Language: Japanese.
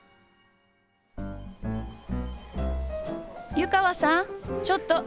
湯川さんちょっと。